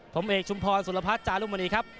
ผมเอกชุมพรสุรพัฒน์จารุมณีครับ